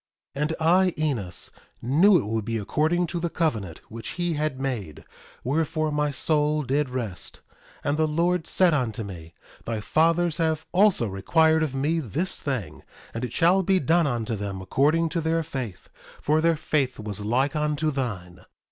1:17 And I, Enos, knew it would be according to the covenant which he had made; wherefore my soul did rest. 1:18 And the Lord said unto me: Thy fathers have also required of me this thing; and it shall be done unto them according to their faith; for their faith was like unto thine.